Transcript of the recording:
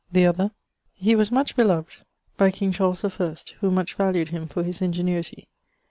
the other.... He was much beloved by King Charles the First, who much valued him for his ingenuity.